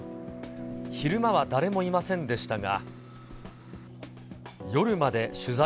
昼間は誰もいませんでしたが。